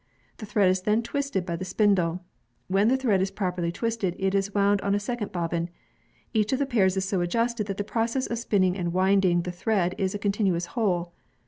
The thread is then twisted by the spindle. ^Vhen the thread is properly twisted, it is wound on a second bobbin. Each of the parts is so adjusted that the process of spinning and winding the thread is a continuous whole.